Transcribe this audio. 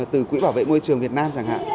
từ quỹ bảo vệ môi trường việt nam chẳng hạn